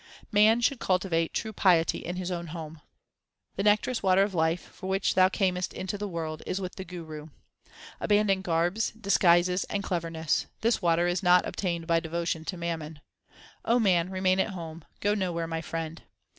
Man should cultivate true piety in his own home : The nectareous water of life, 1 for which thou earnest into the world, is with the Guru. Abandon garbs, disguises, and cleverness ; this water 2 is not obtained by devotion to mammon. O man, remain at home ; go nowhere, my friend.